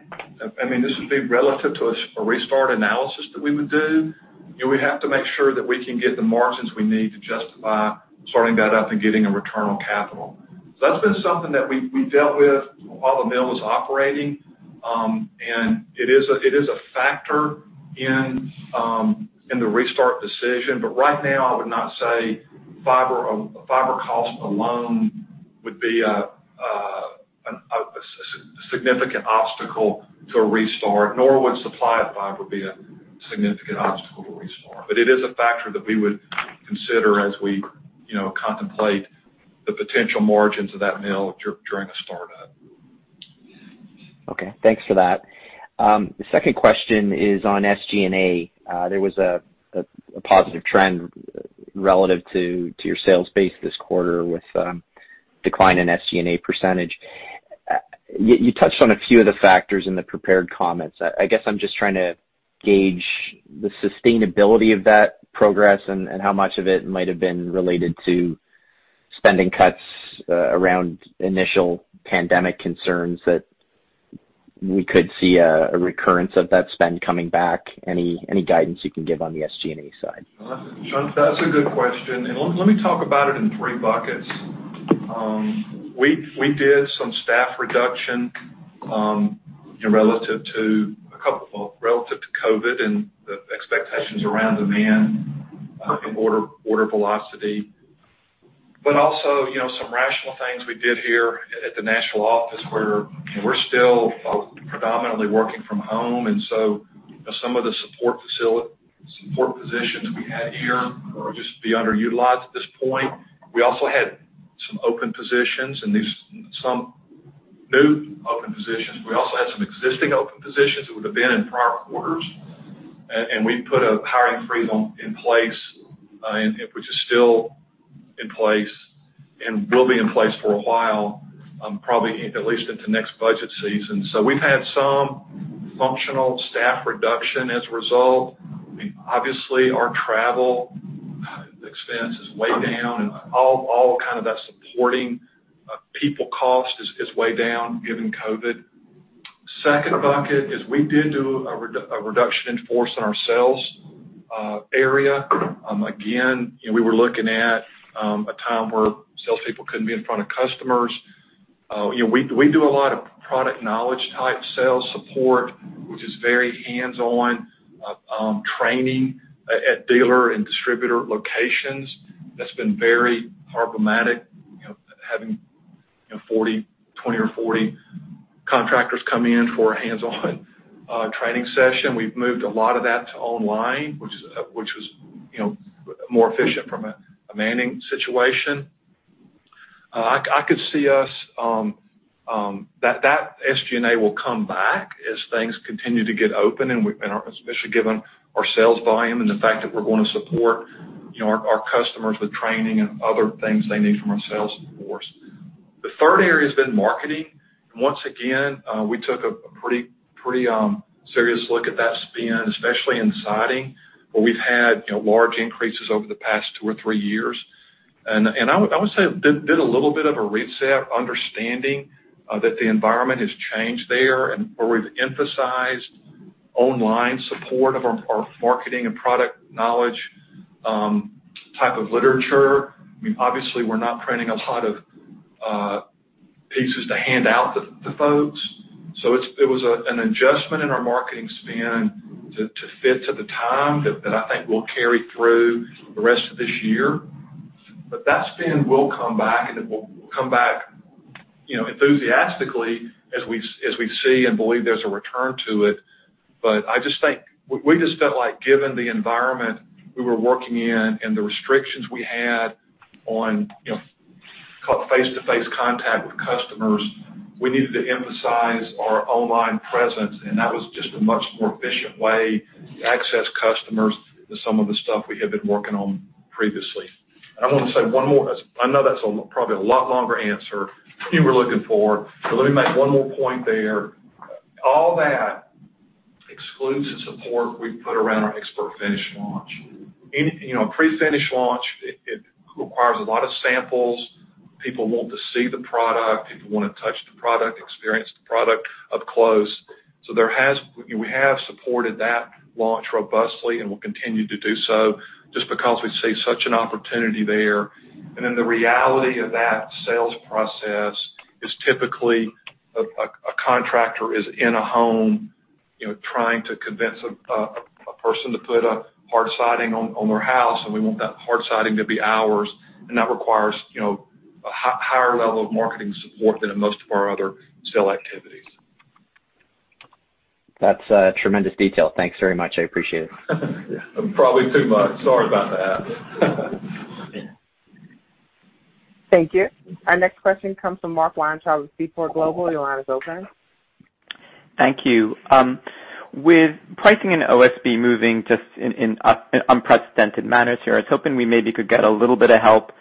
I mean, this would be relative to a restart analysis that we would do. We have to make sure that we can get the margins we need to justify starting that up and getting a return on capital. So that's been something that we dealt with while the mill was operating. And it is a factor in the restart decision. But right now, I would not say fiber cost alone would be a significant obstacle to a restart, nor would supply of fiber be a significant obstacle to restart. But it is a factor that we would consider as we contemplate the potential margins of that mill during a startup. Okay. Thanks for that. The second question is on SG&A. There was a positive trend relative to your sales base this quarter with a decline in SG&A percentage. You touched on a few of the factors in the prepared comments. I guess I'm just trying to gauge the sustainability of that progress and how much of it might have been related to spending cuts around initial pandemic concerns that we could see a recurrence of that spend coming back. Any guidance you can give on the SG&A side? That's a good question. Let me talk about it in three buckets. We did some staff reduction relative to COVID and the expectations around demand and order velocity, but also some rational things we did here at the national office where we're still predominantly working from home, so some of the support positions we had here are just being underutilized at this point. We also had some open positions and some new open positions. We also had some existing open positions that would have been in prior quarters. We put a hiring freeze in place, which is still in place and will be in place for a while, probably at least into next budget season, so we've had some functional staff reduction as a result. Obviously, our travel expense is way down, and all kind of that supporting people cost is way down given COVID. Second bucket is we did do a reduction in force in our sales area. Again, we were looking at a time where salespeople couldn't be in front of customers. We do a lot of product knowledge-type sales support, which is very hands-on training at dealer and distributor locations. That's been very problematic, having 20 or 40 contractors come in for a hands-on training session. We've moved a lot of that to online, which was more efficient from a demanding situation. I could see us that SG&A will come back as things continue to get open, especially given our sales volume and the fact that we're going to support our customers with training and other things they need from our sales force. The third area has been marketing. And once again, we took a pretty serious look at that spend, especially in siding, where we've had large increases over the past two or three years. I would say we did a little bit of a reset, understanding that the environment has changed there, and where we've emphasized online support of our marketing and product knowledge type of literature. I mean, obviously, we're not printing a lot of pieces to hand out to folks. So it was an adjustment in our marketing spend to fit the times that I think will carry through the rest of this year. But that spend will come back, and it will come back enthusiastically as we see and believe there's a return to it. But I just think we just felt like, given the environment we were working in and the restrictions we had on face-to-face contact with customers, we needed to emphasize our online presence. And that was just a much more efficient way to access customers than some of the stuff we had been working on previously. And I want to say one more, I know that's probably a lot longer answer than you were looking for. But let me make one more point there. All that excludes the support we've put around our ExpertFinish launch. Prefinish launch requires a lot of samples. People want to see the product. People want to touch the product, experience the product up close. So we have supported that launch robustly and will continue to do so just because we see such an opportunity there. And then the reality of that sales process is typically a contractor is in a home trying to convince a person to put a hard siding on their house, and we want that hard siding to be ours. And that requires a higher level of marketing support than most of our other sale activities. That's tremendous detail. Thanks very much. I appreciate it. Probably too much. Sorry about that. Thank you. Our next question comes from Mark Weintraub, Seaport Global Securities. Your line is open. Thank you. With pricing in OSB moving just in an unprecedented manner here, I was hoping we maybe could get a little bit of help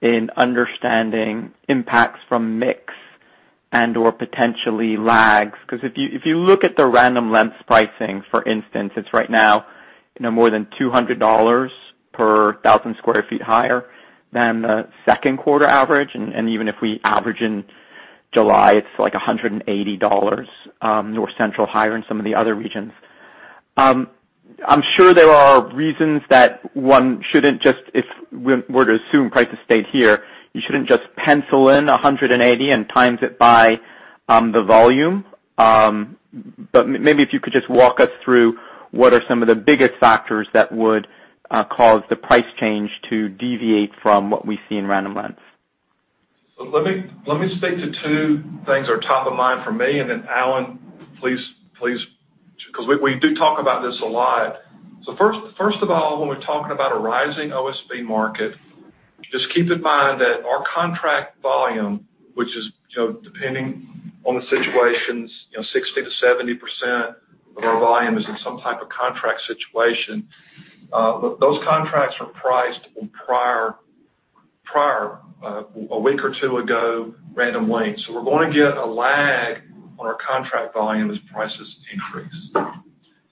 in understanding impacts from mix and/or potentially lags. Because if you look at the Random Lengths pricing, for instance, it's right now more than $200 per 1,000 sq ft higher than the second quarter average. And even if we average in July, it's like $180 North Central higher in some of the other regions. I'm sure there are reasons that one shouldn't just, if we're to assume prices stayed here, you shouldn't just pencil in 180 and times it by the volume. But maybe if you could just walk us through what are some of the biggest factors that would cause the price change to deviate from what we see in Random Lengths? So let me stick to two things that are top of mind for me. And then, Alan, please, because we do talk about this a lot. So first of all, when we're talking about a rising OSB market, just keep in mind that our contract volume, which is depending on the situations, 60%-70% of our volume is in some type of contract situation. Those contracts are priced prior a week or two ago Random Lengths. So we're going to get a lag on our contract volume as prices increase.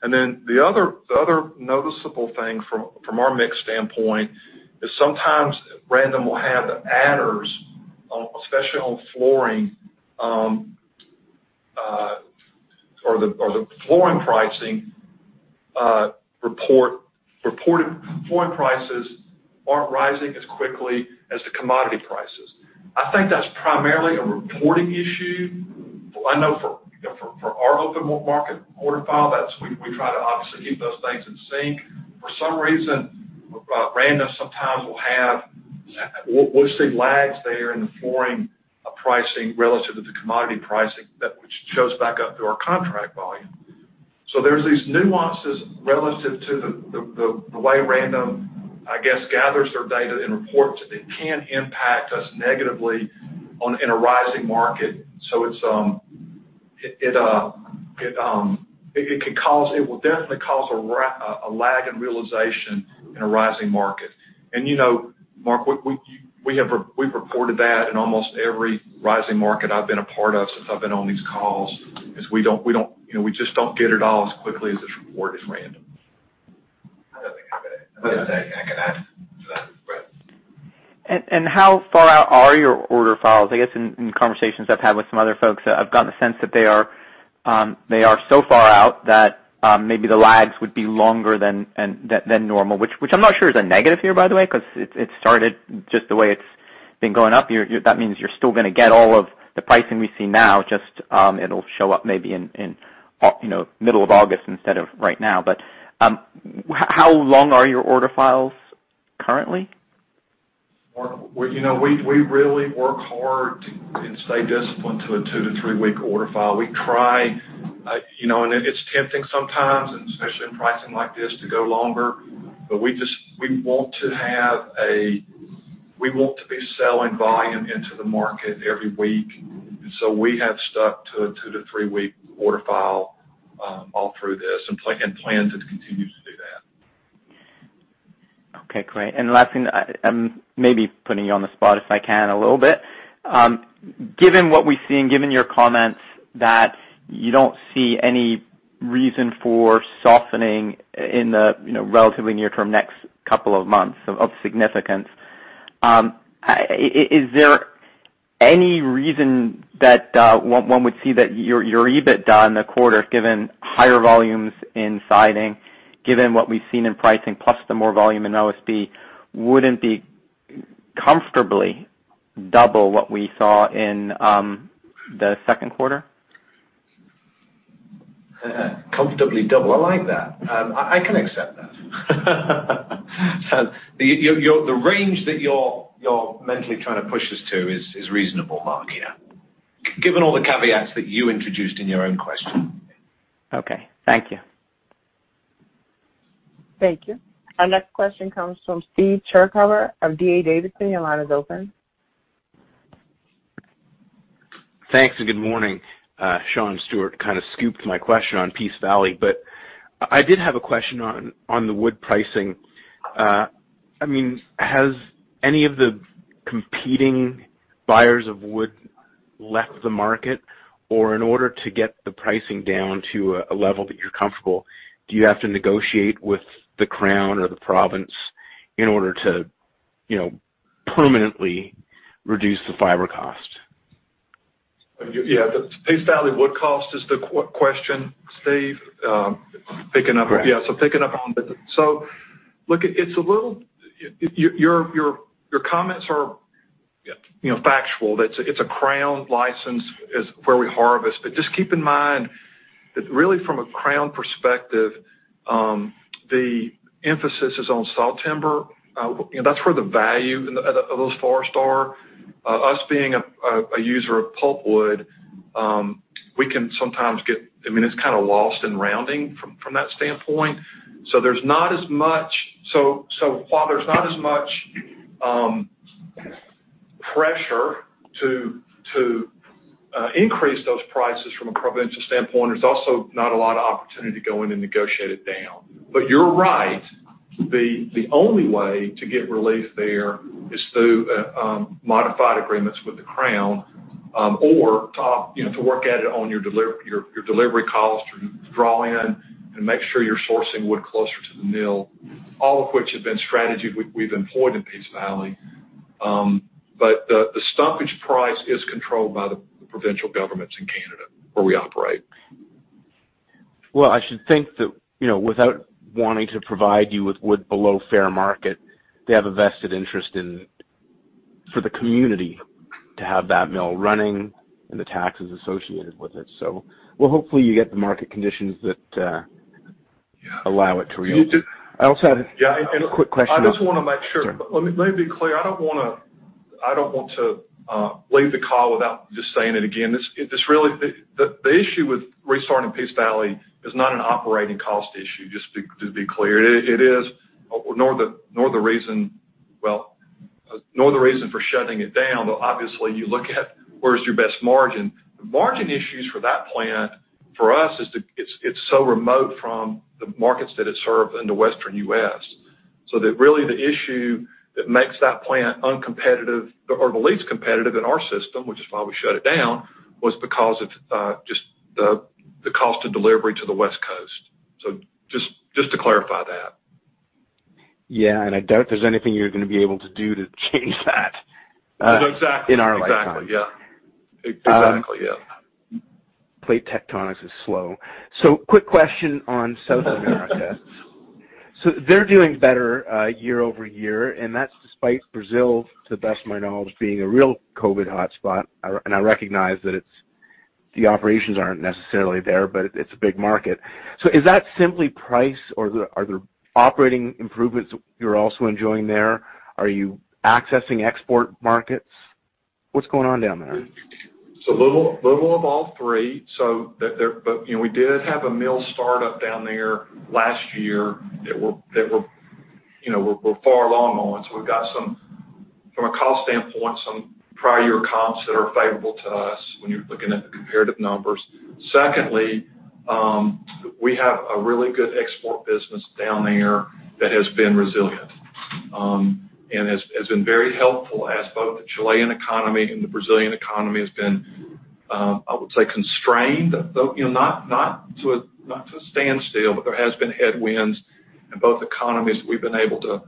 And then the other noticeable thing from our mix standpoint is sometimes Random Lengths will have the adders, especially on flooring or the flooring pricing report. Flooring prices aren't rising as quickly as the commodity prices. I think that's primarily a reporting issue. I know for our open market order file, we try to obviously keep those things in sync. For some reason, Random Lengths sometimes will have, we'll see lags there in the flooring pricing relative to the commodity pricing, which shows back up to our contract volume. So there's these nuances relative to the way Random Lengths, I guess, gathers their data and reports that it can impact us negatively in a rising market. So it could cause, it will definitely cause a lag in realization in a rising market. And Mark, we've reported that in almost every rising market I've been a part of since I've been on these calls, is we don't, we just don't get it all as quickly as it's reported Random Lengths. I don't think I've got it. I think I can add to that. And how far out are your order files? I guess in conversations I've had with some other folks, I've gotten the sense that they are so far out that maybe the lags would be longer than normal, which I'm not sure is a negative here, by the way, because it started just the way it's been going up. That means you're still going to get all of the pricing we see now. Just it'll show up maybe in the middle of August instead of right now. But how long are your order files currently? Mark, we really work hard and stay disciplined to a two to three-week order file. We try, and it's tempting sometimes, and especially in pricing like this, to go longer. But we want to have a—we want to be selling volume into the market every week, and so we have stuck to a two to three-week order file all through this and plan to continue to do that. Okay. Great. And last thing, I'm maybe putting you on the spot if I can a little bit. Given what we've seen, given your comments, that you don't see any reason for softening in the relatively near-term next couple of months of significance, is there any reason that one would see that your EBITDA in the quarter, given higher volumes in siding, given what we've seen in pricing plus the more volume in OSB, wouldn't be comfortably double what we saw in the second quarter? Comfortably double. I like that. I can accept that. The range that you're mentally trying to push us to is reasonable, Mark, yeah, given all the caveats that you introduced in your own question. Okay. Thank you. Thank you. Our next question comes from Steven Chercover of D.A. Davidson. Your line is open. Thanks and good morning. Sean Stewart kind of scooped my question on Peace Valley. But I did have a question on the wood pricing. I mean, has any of the competing buyers of wood left the market? Or in order to get the pricing down to a level that you're comfortable, do you have to negotiate with the Crown or the province in order to permanently reduce the fiber cost? Yeah. The Peace Valley wood cost is the question, Steve, picking up on. So look, your comments are factual. It's a Crown license where we harvest. But just keep in mind that really from a Crown perspective, the emphasis is on saw timber. That's where the value of those forests are. Us being a user of pulp wood, we can sometimes get. I mean, it's kind of lost in rounding from that standpoint. So while there's not as much pressure to increase those prices from a provincial standpoint, there's also not a lot of opportunity to go in and negotiate it down. But you're right. The only way to get relief there is through modified agreements with the Crown or to work at it on your delivery costs or draw in and make sure you're sourcing wood closer to the mill, all of which have been strategies we've employed in Peace Valley, but the stumpage price is controlled by the provincial governments in Canada where we operate. I should think that without wanting to provide you with wood below fair market, they have a vested interest in for the community to have that mill running and the taxes associated with it. Hopefully, you get the market conditions that allow it to reopen. I also had a quick question. Yeah. I just want to make sure. Let me be clear. I don't want to leave the call without just saying it again. The issue with restarting Peace Valley is not an operating cost issue, just to be clear. It is not the reason, well, not the reason for shutting it down. But obviously, you look at where's your best margin. The margin issues for that plant for us is that it's so remote from the markets that it serves in the western U.S. So really, the issue that makes that plant uncompetitive or the least competitive in our system, which is why we shut it down, was because of just the cost of delivery to the West Coast. So just to clarify that. Yeah, and I doubt there's anything you're going to be able to do to change that in our lifetime. Exactly. Exactly. Yeah. Exactly. Yeah. Plate tectonics is slow. So quick question on South America. So they're doing better year over year, and that's despite Brazil, to the best of my knowledge, being a real COVID hotspot. And I recognize that the operations aren't necessarily there, but it's a big market. So is that simply price, or are there operating improvements you're also enjoying there? Are you accessing export markets? What's going on down there? It's a little of all three. But we did have a mill startup down there last year that we're far along on. So we've got, from a cost standpoint, some prior year comps that are favorable to us when you're looking at the comparative numbers. Secondly, we have a really good export business down there that has been resilient and has been very helpful as both the Chilean economy and the Brazilian economy have been, I would say, constrained. Not to a standstill, but there have been headwinds in both economies. We've been able to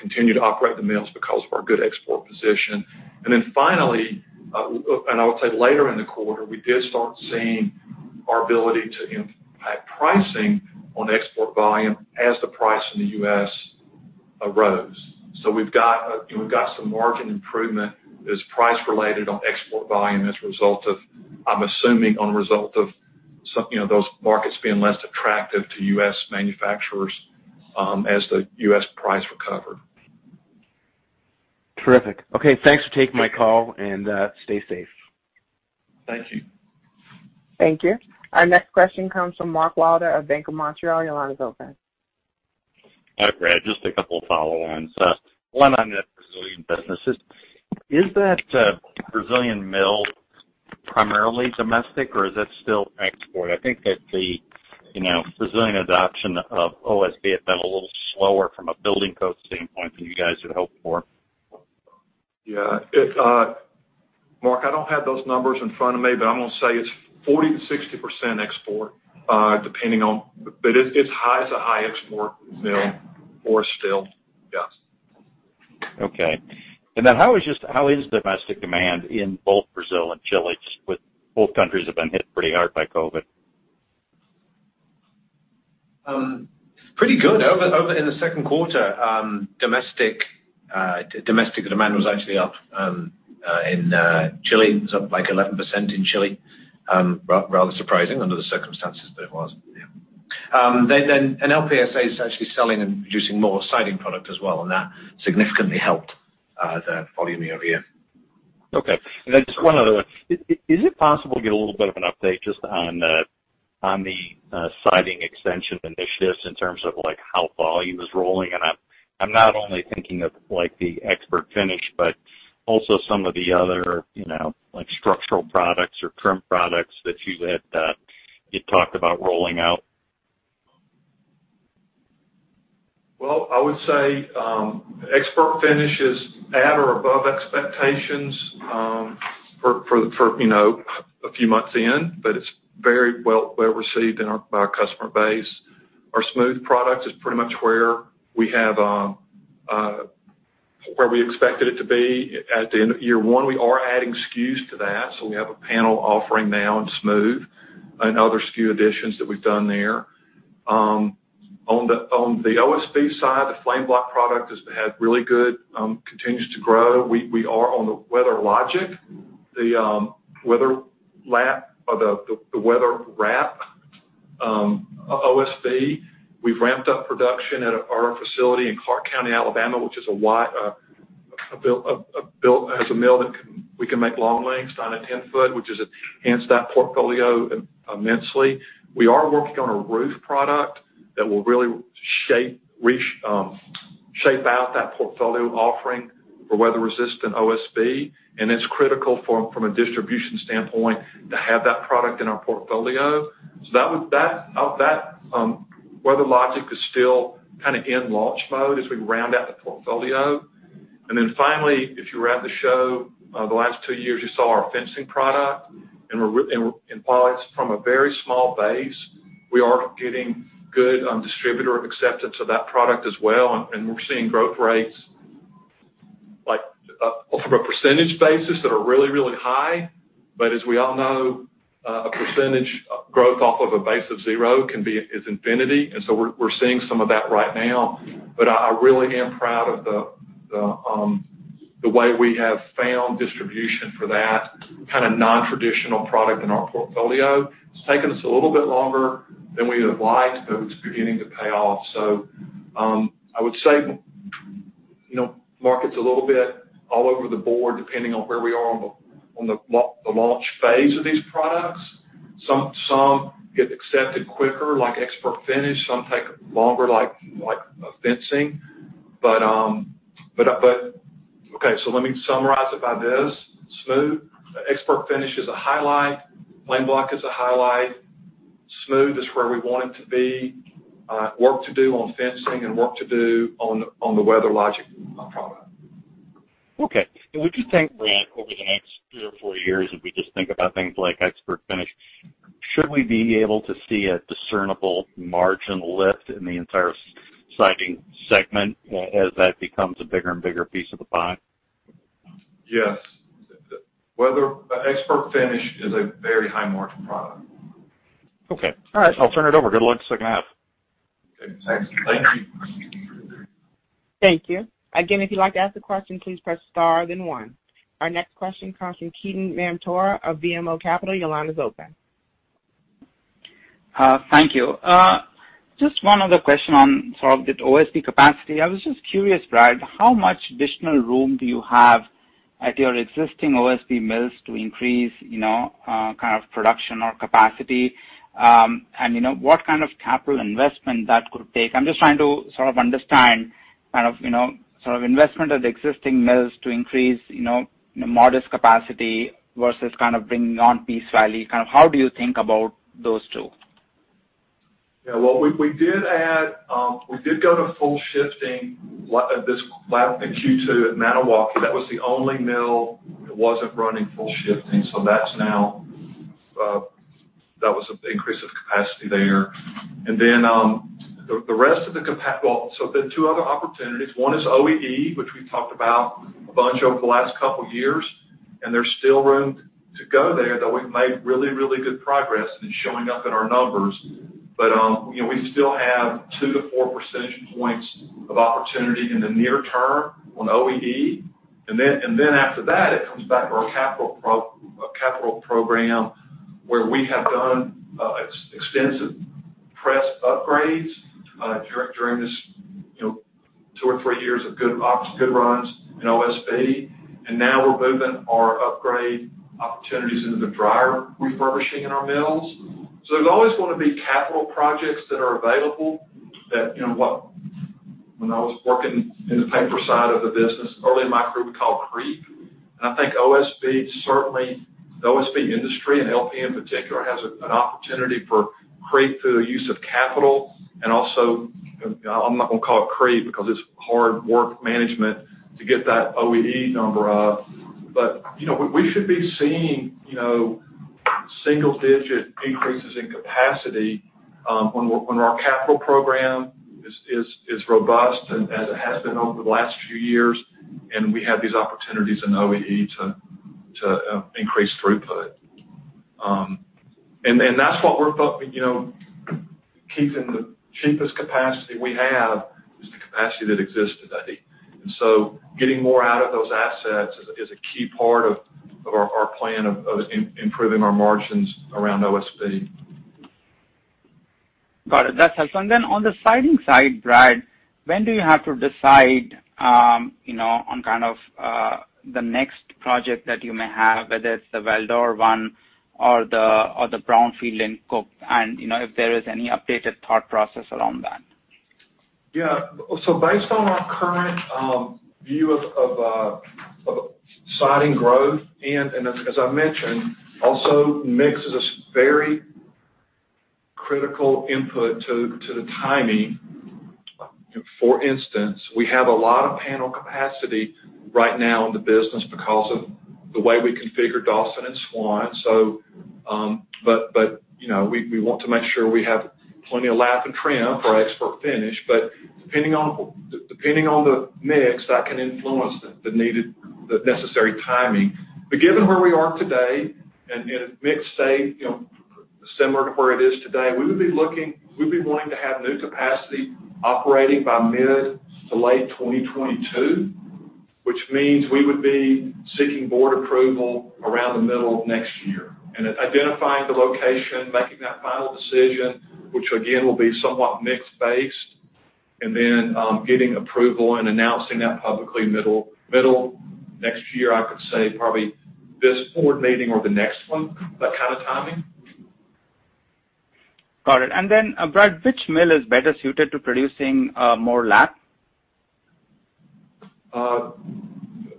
continue to operate the mills because of our good export position. And then finally, and I would say later in the quarter, we did start seeing our ability to impact pricing on export volume as the price in the U.S. rose. We've got some margin improvement that is price-related on export volume as a result of, I'm assuming, those markets being less attractive to U.S. manufacturers as the U.S. price recovered. Terrific. Okay. Thanks for taking my call, and stay safe. Thank you. Thank you. Our next question comes from Mark Wilde of Bank of Montreal. Your line is open. Hi, Brad. Just a couple of follow-ons. One on the Brazilian businesses. Is that Brazilian mill primarily domestic, or is that still export? I think that the Brazilian adoption of OSB has been a little slower from a building code standpoint than you guys had hoped for. Yeah. Mark, I don't have those numbers in front of me, but I'm going to say it's 40%-60% export, depending on, but it's high as a high export mill or still, yes. Okay. And then how is domestic demand in both Brazil and Chile, just with both countries have been hit pretty hard by COVID? Pretty good. In the second quarter, domestic demand was actually up in Chile. It was up like 11% in Chile. Rather surprising under the circumstances that it was. Yeah. Then LPSA is actually selling and producing more siding product as well, and that significantly helped the volume year over year. Okay. And then just one other one. Is it possible to get a little bit of an update just on the siding extension initiatives in terms of how volume is rolling? And I'm not only thinking of the ExpertFinish, but also some of the other structural products or trim products that you had talked about rolling out. I would say ExpertFinish is at or above expectations for a few months in, but it's very well received by our customer base. Our Smooth product is pretty much where we expected it to be at year one. We are adding SKUs to that. So we have a panel offering now in Smooth and other SKU additions that we've done there. On the OSB side, the FlameBlock product has had really good continues to grow. We are on the WeatherLogic, the WeatherLap, or the WeatherWrap OSB. We've ramped up production at our facility in Clarke County, Alabama, which has a mill that we can make long lengths down to 10-foot, which has enhanced that portfolio immensely. We are working on a roof product that will really shape out that portfolio offering for weather-resistant OSB. And it's critical from a distribution standpoint to have that product in our portfolio. So that WeatherLogic is still kind of in launch mode as we round out the portfolio. And then finally, if you were at the show the last two years, you saw our fencing product. And while it's from a very small base, we are getting good distributor acceptance of that product as well. And we're seeing growth rates from a percentage basis that are really, really high. But as we all know, a percentage growth off of a base of zero can be as infinity. And so we're seeing some of that right now. But I really am proud of the way we have found distribution for that kind of non-traditional product in our portfolio. It's taken us a little bit longer than we would have liked, but it's beginning to pay off. So I would say market's a little bit all over the board depending on where we are on the launch phase of these products. Some get accepted quicker, like ExpertFinish. Some take longer, like fencing. But okay. So let me summarize it by this. Smooth. ExpertFinish is a highlight. FlameBlock is a highlight. Smooth is where we want it to be. Work to do on fencing and work to do on the WeatherLogic product. Okay. And would you think, Brad, over the next three or four years, if we just think about things like ExpertFinish, should we be able to see a discernible margin lift in the entire siding segment as that becomes a bigger and bigger piece of the pie? Yes. ExpertFinish is a very high-margin product. Okay. All right. I'll turn it over. Good luck second half. Okay. Thanks. Thank you. Thank you. Again, if you'd like to ask a question, please press star, then one. Our next question comes from Ketan Mamtora of BMO Capital Markets. Your line is open. Thank you. Just one other question on sort of the OSB capacity. I was just curious, Brad, how much additional room do you have at your existing OSB mills to increase kind of production or capacity? And what kind of capital investment that could take? I'm just trying to sort of understand kind of sort of investment at the existing mills to increase modest capacity versus kind of bringing on Peace Valley. Kind of how do you think about those two? Yeah. Well, we did go to full shifting this Q2 at Maniwaki. That was the only mill that wasn't running full shifting. So that's now. That was an increase of capacity there. And then the rest, well, so there are two other opportunities. One is OEE, which we've talked about a bunch over the last couple of years. And there's still room to go there, though we've made really, really good progress, and it's showing up in our numbers. But we still have two to four percentage points of opportunity in the near term on OEE. And then after that, it comes back to our capital program where we have done extensive press upgrades during these two or three years of good runs in OSB. And now we're moving our upgrade opportunities into the dryer refurbishing in our mills. So, there's always going to be capital projects that are available that when I was working in the paper side of the business, early in my career, we called creep. And I think OSB certainly, the OSB industry and LP in particular has an opportunity for creep through the use of capital. And also, I'm not going to call it creep because it's hard work management to get that OEE number up. But we should be seeing single-digit increases in capacity when our capital program is robust as it has been over the last few years. And we have these opportunities in OEE to increase throughput. And that's what we're keeping the cheapest capacity we have is the capacity that exists today. And so getting more out of those assets is a key part of our plan of improving our margins around OSB. Got it. That helps. And then on the siding side, Brad, when do you have to decide on kind of the next project that you may have, whether it's the Val-d'Or one or the Brownfield and Cook? And if there is any updated thought process around that? Yeah. So based on our current view of siding growth, and as I mentioned, also mix is a very critical input to the timing. For instance, we have a lot of panel capacity right now in the business because of the way we configured Dawson and Swan. But we want to make sure we have plenty of lap and trim for ExpertFinish. But depending on the mix, that can influence the necessary timing. But given where we are today and its mix state similar to where it is today, we would be wanting to have new capacity operating by mid to late 2022, which means we would be seeking board approval around the middle of next year. Identifying the location, making that final decision, which again will be somewhat mixed based, and then getting approval and announcing that publicly middle next year, I could say, probably this board meeting or the next one, that kind of timing. Got it. And then, Brad, which mill is better suited to producing more lap?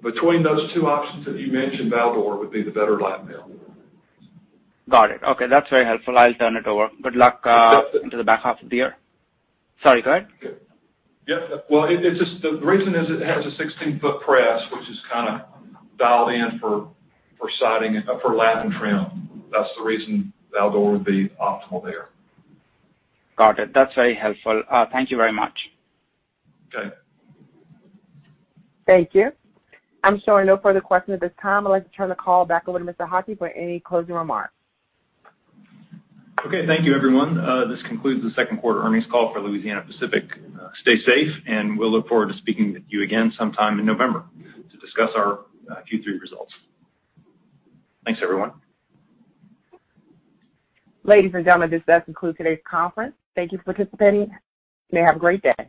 Between those two options that you mentioned, Val-d'Or would be the better lap mill. Got it. Okay. That's very helpful. I'll turn it over. Good luck into the back half of the year. Sorry, go ahead. Yeah. Well, the reason is it has a 16-foot press, which is kind of dialed in for siding and for lap and trim. That's the reason Val-d'Or would be optimal there. Got it. That's very helpful. Thank you very much. Okay. Thank you. I'm showing no further questions at this time. I'd like to turn the call back over to Mr. Haughie for any closing remarks. Okay. Thank you, everyone. This concludes the second quarter earnings call for Louisiana-Pacific. Stay safe, and we'll look forward to speaking with you again sometime in November to discuss our Q3 results. Thanks, everyone. Ladies and gentlemen, this does conclude today's conference. Thank you for participating, and have a great day.